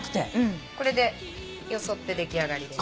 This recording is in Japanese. これでよそって出来上がりです。